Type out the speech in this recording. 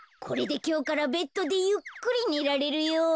これできょうからベッドでゆっくりねられるよ。